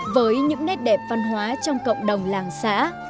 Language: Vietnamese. với những nét đẹp văn hóa trong cộng đồng làng xã